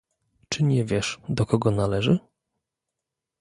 "Czy nie wiesz, do kogo należy?"